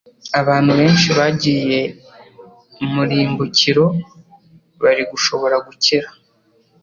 Abantu benshi bagiye mu irimbukiro, bari gushobora gukira,